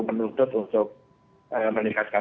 menuntut untuk meningkatkan